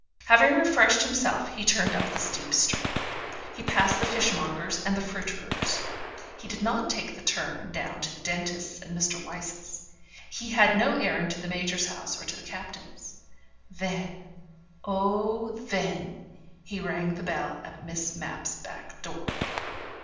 Having refreshed himself he turned up the steep street. He passed the fishmonger's and the fruiterer's; he did not take the turn down to the dentist's and Mr. Wyse's. He had no errand to the Major's house or to the Captain's. Then, oh then, he rang the bell at Miss Mapp's back door.